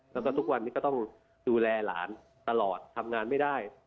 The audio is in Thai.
แล้วก็ทุกวันนี้ก็ต้องดูแลหลานตลอดทำงานไม่ได้